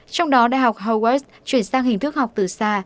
trong đó đại học huawest chuyển sang hình thức học từ xa